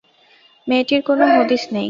মেয়েটির কোনো হদিস নেই।